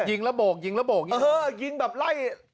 ยิงระโบกยิงระโบกยิงแบบไล่